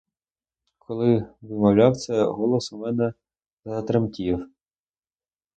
Коли вимовляв це, голос у мене затремтів.